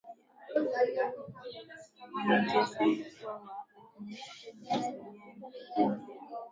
wanaojihesabu kuwa Waatheisti ni asilimia na idadi yao